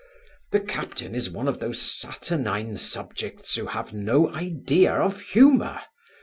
The captain is one of those saturnine subjects, who have no idea of humour.